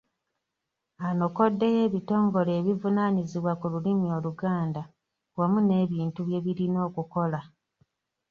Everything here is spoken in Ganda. Anokoddeyo ebitongole ebivunaanyizibwa ku lulimi Oluganda wamu n’ebintu bye birina okukola.